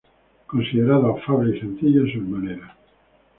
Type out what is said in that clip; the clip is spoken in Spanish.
Considerado afable y sencillo en sus maneras.